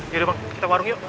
yaudah bang kita warung yuk